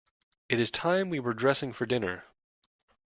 It is time we were dressing for dinner.